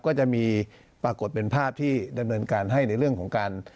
ก็จะมีปรากฏเป็นภาพที่ดำเนินการให้ในเรื่องของการ